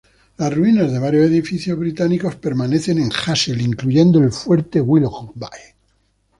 Las ruinas de varios edificios británicos permanecen en Hassel, incluyendo el Fuerte Willoughby.